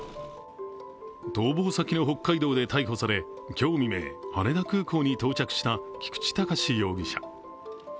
逃亡先の北海道で逮捕され今日未明、羽田空港に到着した菊池隆容疑者。